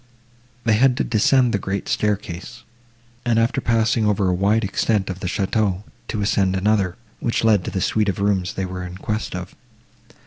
They had to descend the great staircase, and, after passing over a wide extent of the château, to ascend another, which led to the suite of rooms they were in quest of.